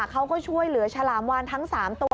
เขาก็ช่วยเหลือฉลามวานทั้ง๓ตัว